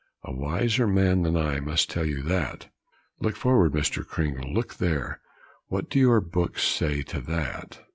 "A wiser man than I must tell you that; look forward Mr. Cringle look there; what do your books say to that?"